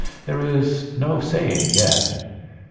There is no saying yet.